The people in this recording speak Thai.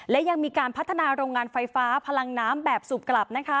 และยังมีการพัฒนาโรงงานไฟฟ้าพลังน้ำแบบสูบกลับนะคะ